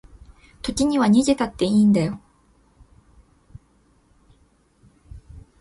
時には逃げたっていいんだよ